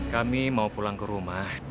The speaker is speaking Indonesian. kami mau pulang ke rumah